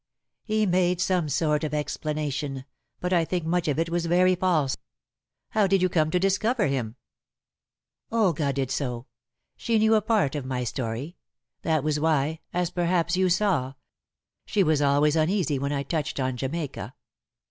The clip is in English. "He made some sort of explanation, but I think much of it was very false." "How did you come to discover him?" "Olga did so. She knew a part of my story. That was why as perhaps you saw she was always uneasy when I touched on Jamaica."